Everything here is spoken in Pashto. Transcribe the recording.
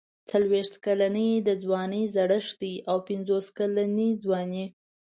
څلوېښت کلني د ځوانۍ زړښت دی او پنځوس کلني ځواني.